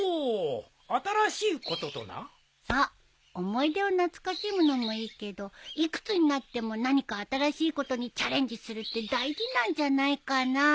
思い出を懐かしむのもいいけど幾つになっても何か新しいことにチャレンジするって大事なんじゃないかな？